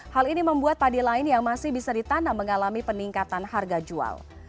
hal ini membuat padi lain yang masih bisa ditanam mengalami peningkatan harga jual